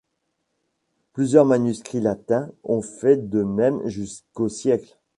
Plusieurs manuscrits latins ont fait de même jusqu'au siècle.